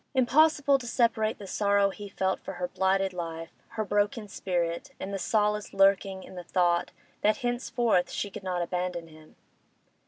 Impossible to separate the sorrow he felt for her blighted life, her broken spirit, and the solace lurking in the thought that henceforth she could not abandon him.